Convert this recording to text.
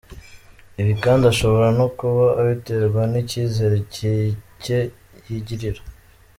Ibi kandi ashobora no kuba abiterwa n’ikizere gike yigirira.